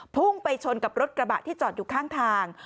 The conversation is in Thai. พุ่งไปชนกับรถกระบะที่จอดอยู่ข้างทาง